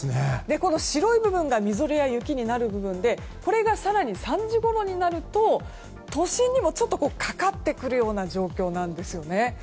白い部分がみぞれや雪になる部分でこれが更に３時ごろになると都心にもちょっとかかってくるような状況なんですね。